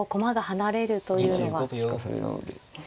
利かされなので。